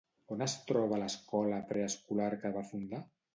On es troba l'escola preescolar que va fundar?